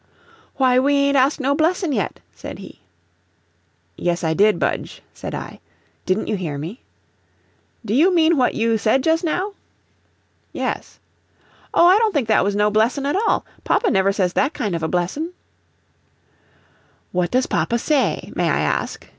"Why, we ain't asked no blessin' yet," said he. "Yes, I did, Budge," said I. "Didn't you hear me?" "Do you mean what you said just now?" "Yes." "Oh, I don't think that was no blessin' at all. Papa never says that kind of a blessin'." "What does papa say, may I ask?"